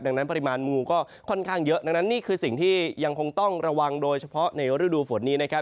ดังนั้นปริมาณมูก็ค่อนข้างเยอะดังนั้นนี่คือสิ่งที่ยังคงต้องระวังโดยเฉพาะในฤดูฝนนี้นะครับ